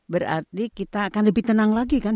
berarti kita akan lebih tenang lagi kan